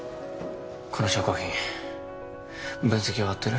この証拠品分析終わってる？